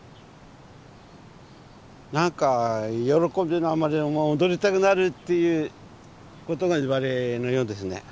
何か喜びのあまり踊りたくなるということがいわれのようですね。